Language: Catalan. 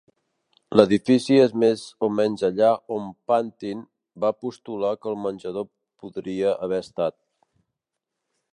L'edifici és més o menys allà on Pantin va postular que el menjador podria haver estat.